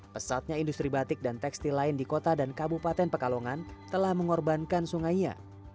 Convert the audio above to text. pesatnya industri batik dan tekstil lain di kota dan kabupaten pekalongan telah mengorbankan sungainya